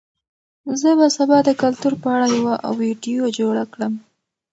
زه به سبا د کلتور په اړه یوه ویډیو جوړه کړم.